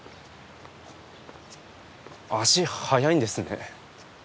足速いんですね。